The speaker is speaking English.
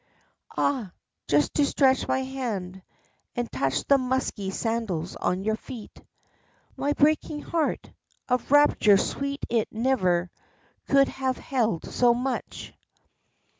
Ah! just to stretch my hand and touch the musky sandals on your feet! My breaking heart! of rapture sweet it never could have held so much.